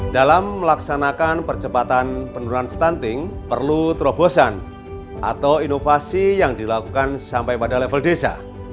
dalam melaksanakan percepatan penurunan stunting perlu terobosan atau inovasi yang dilakukan sampai pada level desa